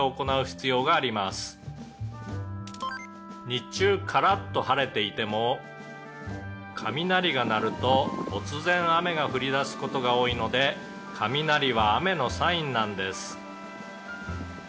「日中カラッと晴れていても雷が鳴ると突然雨が降り出す事が多いので雷は雨のサインなんです」